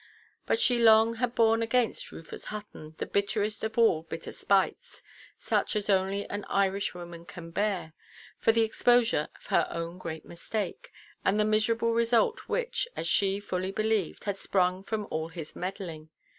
But she long had borne against Rufus Hutton the bitterest of all bitter spites (such as only an Irishwoman can bear), for the exposure of her own great mistake, and the miserable result which (as she fully believed) had sprung from all his meddling.